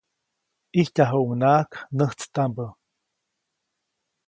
ʼIjtyajuʼuŋnaʼak näjtstaʼmbä.